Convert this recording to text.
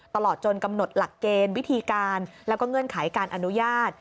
ตลอดจนกำหนดหลักเกณฑ์วิธีการแล้วก็เงื่อนไขการอนุญาต